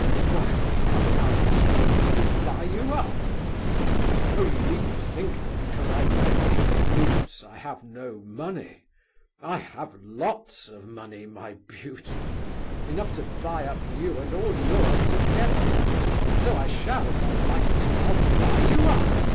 Why, I've come now, at this moment, to buy you up! Oh, you needn't think that because I wear these boots I have no money. I have lots of money, my beauty,—enough to buy up you and all yours together. So I shall, if I like to! I'll buy you up!